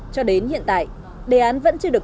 cho đến hiện tại đề án vẫn chưa được